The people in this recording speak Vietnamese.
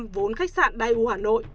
vốn khách sạn dai u hà nội